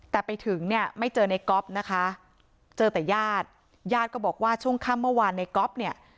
แต่ไปถึงเนี่ยไม่เจอในก๊อฟนะคะเจอแต่ญาติญาติก็บอกว่าช่วงค่ำเมื่อวานในก๊อฟเนี่ย